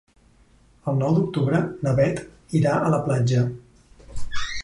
El nou d'octubre na Beth irà a la platja.